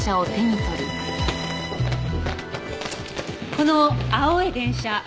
この青い電車。